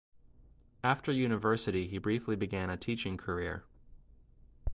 After university he briefly began a teaching career.